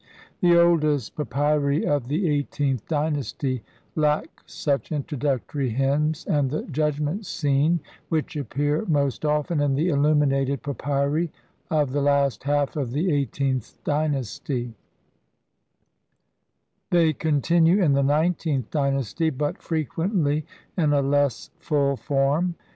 The oldest pa pyri of the eighteenth dynasty ' lack such Introductory Hymns and the Judgment Scene, which appear most often in the illuminated papyri of the last half of the eighteenth dynasty ; they continue in the nineteenth dynasty, but frequently in a less full form.